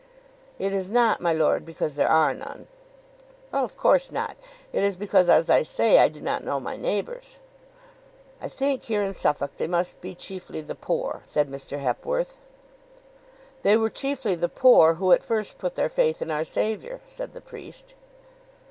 "It is not, my lord, because there are none." "Of course not. It is because, as I say, I do not know my neighbours." "I think, here in Suffolk, they must be chiefly the poor," said Mr. Hepworth. "They were chiefly the poor who at first put their faith in our Saviour," said the priest.